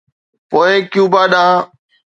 پوء ڪيوبا ڏانهن.